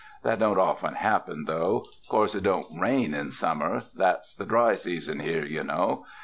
That don't often happen, though. Of course it don't rain in summer — that's the dry season here, you know.